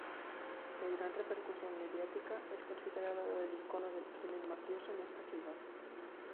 De gran repercusión mediática, es considerado el ícono del crimen mafioso en esta ciudad.